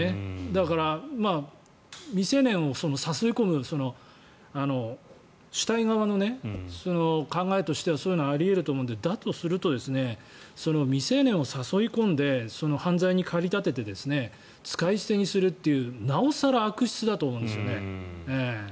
だから未成年を誘い込む主体側の考えとしてはそういうのがあり得ると思うのでだとすると未成年を誘い込んで犯罪に駆り立てて使い捨てにするというなお更悪質だと思うんです。